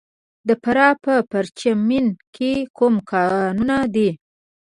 د فراه په پرچمن کې کوم کانونه دي؟